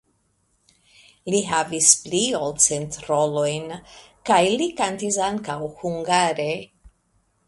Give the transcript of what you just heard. Li havis pli ol cent rolojn kaj li kantis ankaŭ hungare.